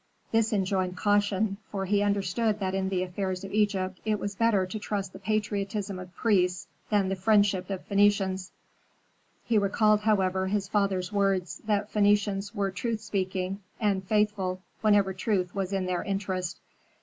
This enjoined caution, for he understood that in the affairs of Egypt it was better to trust the patriotism of priests than the friendship of Phœnicians. He recalled, however, his father's words, that Phœnicians were truth speaking and faithful whenever truth was in their interest.